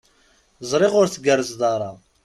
Ẓriɣ ur tgerrzeḍ ara.